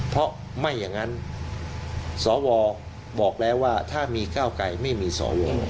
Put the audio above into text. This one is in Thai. เพราะไม่อย่างนั้นสวบอกแล้วว่าถ้ามีก้าวไกรไม่มีสว